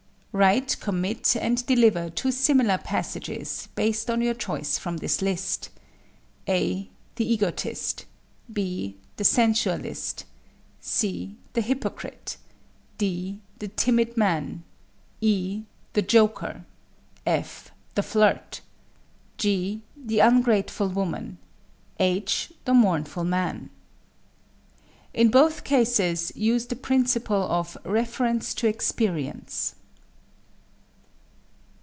Write, commit and deliver two similar passages based on your choice from this list: (a) "the egotist;" (b) "the sensualist;" (c) "the hypocrite;" (d) "the timid man;" (e) "the joker;" (f) "the flirt;" (g) "the ungrateful woman;" (h) "the mournful man." In both cases use the principle of "Reference to Experience."